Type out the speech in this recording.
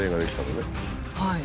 はい。